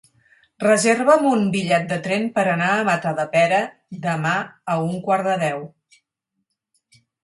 Reserva'm un bitllet de tren per anar a Matadepera demà a un quart de deu.